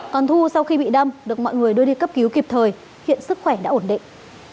còn thu sau khi bị đâm được mọi người đưa đi cấp cứu kịp thời hiện sức khỏe đã ổn định